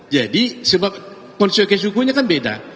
jadi sebab konsekuensi hukumnya kan beda